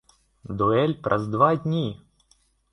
Дуэль праз два дні!